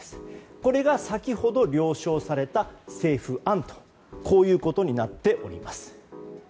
これが先ほど了承された政府案ということになっております。